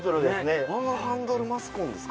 ワンハンドルマスコンですか？